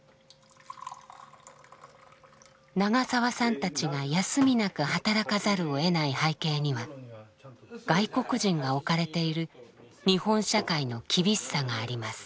長澤さんたちが休みなく働かざるをえない背景には外国人が置かれている日本社会の厳しさがあります。